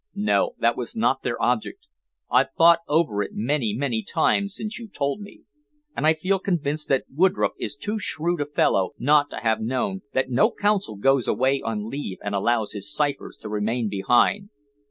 "No; that was not their object. I've thought over it many, many times since you told me, and I feel convinced that Woodroffe is too shrewd a fellow not to have known that no Consul goes away on leave and allows his ciphers to remain behind.